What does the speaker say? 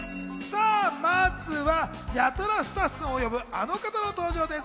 まずは、やたらスタッフさんを呼ぶ、あの方の登場です。